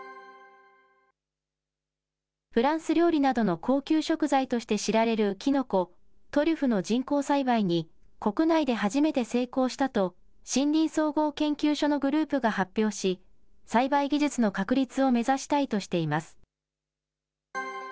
フランス料理などの高級食材として知られるきのこ、トリュフの人工栽培に、国内で初めて成功したと、森林総合研究所のグループが発表し、栽培技術の確立を目指したいとしています。